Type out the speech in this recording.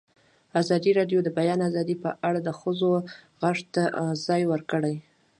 ازادي راډیو د د بیان آزادي په اړه د ښځو غږ ته ځای ورکړی.